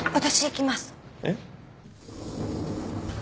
えっ？